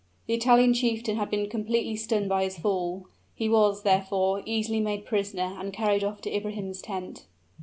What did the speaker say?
The Italian chieftain had been completely stunned by his fall; he was, therefore, easily made prisoner and carried off to Ibrahim's tent.